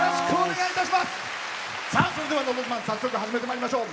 それでは、「のど自慢」、早速始めてまいりましょう。